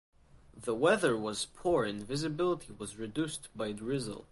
The weather was poor and visibility was reduced by drizzle.